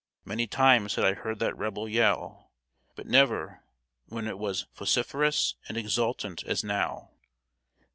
Many times had I heard that Rebel yell, but never when it was vociferous and exultant as now.